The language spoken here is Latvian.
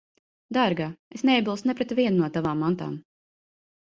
Dārgā, es neiebilstu ne pret vienu no tavām mantām.